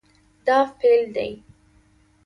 دا فعل دی